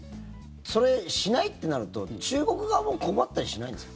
それをしないってなると中国側も困ったりしないんですか？